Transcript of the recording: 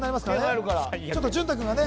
最悪やちょっと淳太君がね